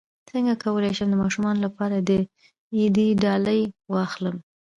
څنګه کولی شم د ماشومانو لپاره د عید ډالۍ واخلم